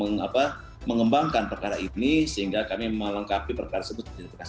terus bekerja dan mengembangkan perkara ini sehingga kami melengkapi perkara sebut